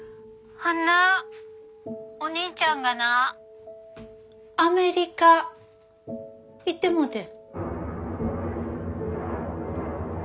あんなお兄ちゃんがなアメリカ行ってもうてん。